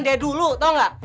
dari dulu tau gak